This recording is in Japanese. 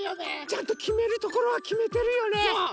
ちゃんときめるところはきめてるよね。